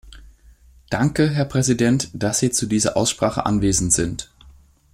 Danke, Herr Präsident, dass Sie zu dieser Aussprache anwesend sind.